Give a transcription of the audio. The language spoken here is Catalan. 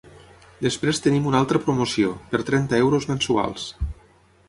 Després tenim una altra promoció, per trenta euros mensuals.